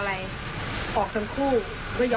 แต่ละครั้งก็เลือก